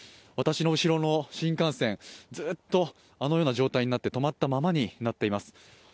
私の後ろの新幹線、ずっとあのような状態になって止まったままになっています。